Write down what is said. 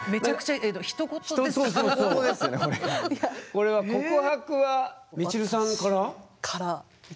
これは告白はみちるさんから？